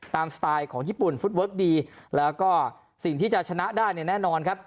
สไตล์ของญี่ปุ่นฟุตเวิร์คดีแล้วก็สิ่งที่จะชนะได้เนี่ยแน่นอนครับ